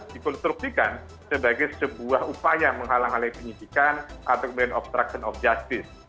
dikonstruksikan sebagai sebuah upaya menghalang halangi penyibikan atau obstruction of justice